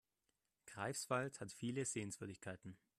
Greifswald hat viele Sehenswürdigkeiten